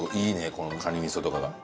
このカニ味噌とかが。